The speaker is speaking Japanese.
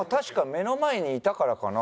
目の前にいたからかな？